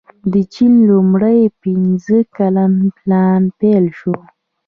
د چین لومړی پنځه کلن پلان پیل شو.